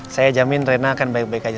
saya jamin rena akan baik baik aja